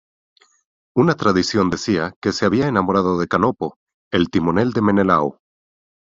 Una tradición decía que se había enamorado de Canopo, el timonel de Menelao.